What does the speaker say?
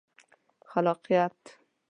خلاقیت